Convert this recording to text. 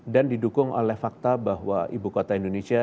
dan didukung oleh fakta bahwa ibu kota indonesia